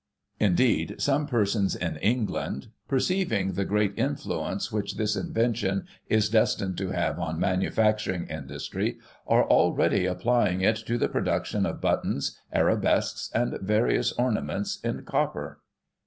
Indeed, some persons in England, perceiving the great influence which this invention is destined to have on manufacturing industry, are already applying it to the production of buttons, arabesques, and various orna ments in Copper.